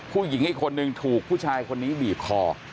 ผู้หญิงอีกคนนึงถูกผู้ชายคนนี้บีบคอ